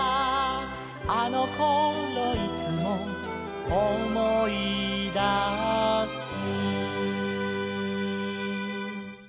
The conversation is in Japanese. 「あのころいつも」「おもいだす」